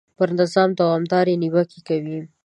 پر نظام دوامدارې نیوکې کوي.